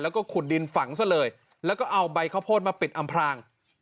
แล้วก็ขุดดินฝังซะเลยแล้วก็เอาใบข้าวโพดมาปิดอำพราง